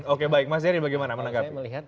oke baik mas yary bagaimana menanggap